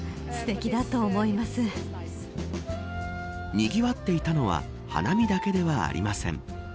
にぎわっていたのは花見だけではありません。